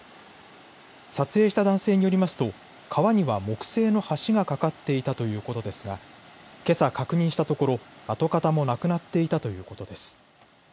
撮影した男性によりますと川には木製の橋が架かっていたということですがけさ確認したところ跡形もなくなっていたということです。